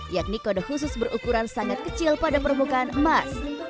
yakni kode khusus berukuran sangat kecil pada permukaan emas